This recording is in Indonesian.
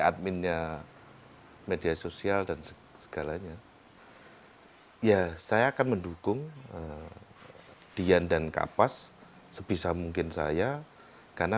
adminnya media sosial dan segalanya ya saya akan mendukung dian dan kapas sebisa mungkin saya karena